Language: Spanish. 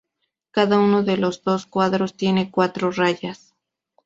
Cada uno de los dos cuartos tiene cuatro rayas.